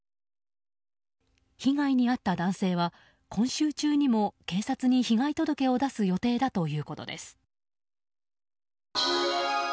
被害に遭った男性は今週中にも警察に被害届を出す予定だということです。